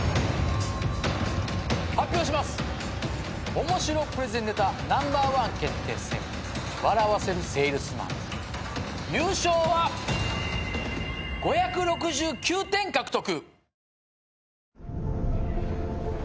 『おもしろプレゼンネタＮｏ．１決定戦笑わせるセールスマン』優勝は５６９点獲得。